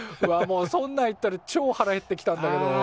もうそんなん言ったらちょ腹減ってきたんだけど。